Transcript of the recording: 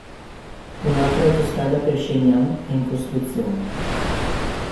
Un'altra autostrada per Shenyang è in costruzione.